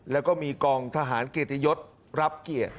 แล้วก็มีกองทหารเกรียดศักดิ์ยทธ์